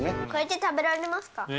これって食べられますか？